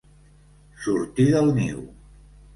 Sortir del niu.